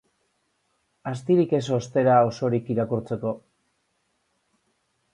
Astirik ez ostera osorik irakurtzeko.